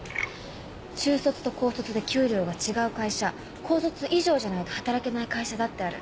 中卒と高卒で給料が違う会社高卒以上じゃないと働けない会社だってある。